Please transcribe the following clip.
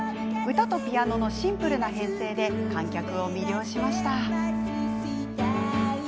歌とピアノのシンプルな編成で観客を魅了しました。